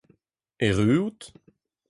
erruout